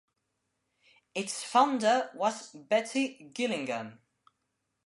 Its founder was Betty Gillingham.